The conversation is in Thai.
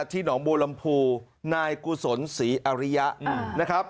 ที่หนองบูรมภูร์นายกุศลศรีอาริยะนะครับ